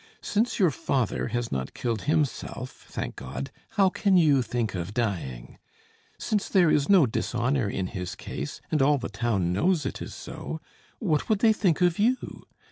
Since your father has not killed himself, thank God, how can you think of dying? Since there is no dishonor in his case, and all the town knows it is so, what would they think of you?